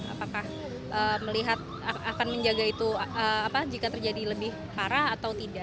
apakah melihat akan menjaga itu jika terjadi lebih parah atau tidak